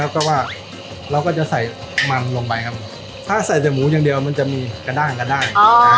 แล้วก็ว่าเราก็จะใส่มันลงไปครับถ้าใส่แต่หมูอย่างเดียวมันจะมีกระด้างกระด้าง